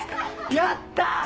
やったぁ！